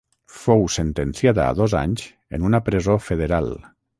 Fou sentenciada a dos anys en una presó federal.